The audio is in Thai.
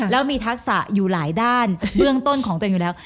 แล้วมีทักษะอยู่หลายด้านเบื้องต้นของตัวเองอยู่แล้ว